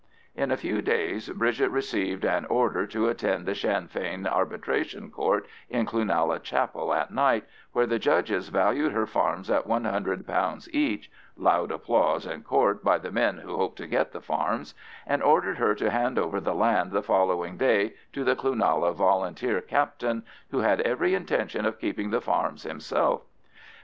In a few days Bridget received an order to attend a Sinn Fein Arbitration Court in Cloonalla Chapel at night, where the judges valued her farms at one hundred pounds each (loud applause in Court by the men who hoped to get the farms), and ordered her to hand over the land the following day to the Cloonalla Volunteer captain, who had every intention of keeping the farms himself.